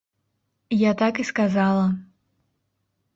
Я так і сказала.